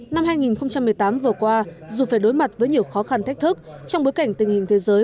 năm hai nghìn một mươi tám vừa qua dù phải đối mặt với nhiều khó khăn thách thức trong bối cảnh tình hình thế giới